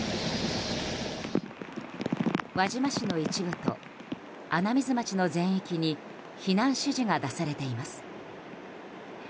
輪島市の一部と穴水町の全域に避難指示が出されています。